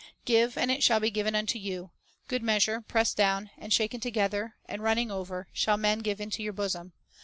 2 "Give, and it shall be given unto you; good meas ure, pressed down, and shaken together, and running over, shall men give into your bosom.